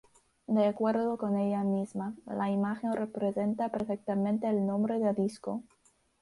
De acuerdo con ella misma, la imagen representa perfectamente el nombre del disco.